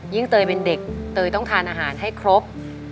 เตยเป็นเด็กเตยต้องทานอาหารให้ครบ